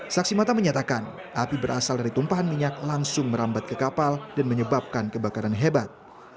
saksi mata menyatakan api berasal dari tumpahan minyak langsung merambat ke kapal dan menyebabkan kebakaran hebat